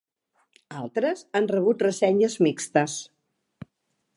Altres han rebut ressenyes mixtes.